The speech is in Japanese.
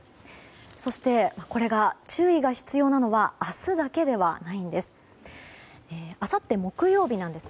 そして、注意が必要なのは明日だけではないんです。